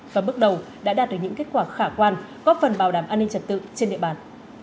và bước đầu đã đạt được những kết quả khả quan góp phần bảo đảm an ninh trật tự trên địa bàn